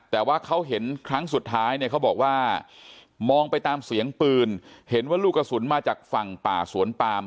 แต่ว่าเขาเห็นครั้งสุดท้ายเนี่ยเขาบอกว่ามองไปตามเสียงปืนเห็นว่าลูกกระสุนมาจากฝั่งป่าสวนปาม